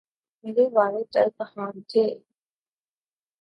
میرے والد ترکھان تھے